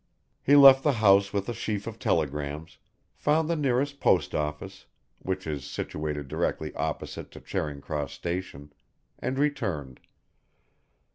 He left the house with the sheaf of telegrams, found the nearest post office which is situated directly opposite to Charing Cross Station and returned.